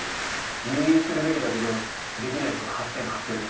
入院するべきだけどできない人が８８００人。